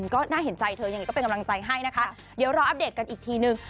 ก็น่าเห็นใจเธอยังไงก็เป็นกำลังใจให้นะคะเดี๋ยวรออัปเดตกันอีกทีนึง